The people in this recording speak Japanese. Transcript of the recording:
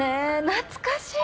懐かしい！